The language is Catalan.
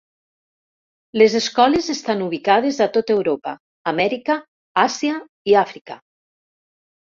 Les escoles estan ubicades a tot Europa, Amèrica, Àsia i Àfrica.